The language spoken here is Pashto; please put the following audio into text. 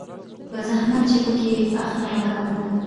په زحمت چي پکښي اخلمه ګامونه